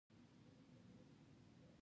خان زمان وویل، زه هم ستا سره لاندې ځم.